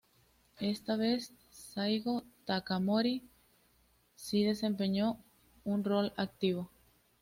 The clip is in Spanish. Esta vez, Saigo Takamori si desempeñó un rol activo.